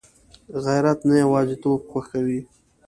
غیرت نه یوازېتوب خوښوي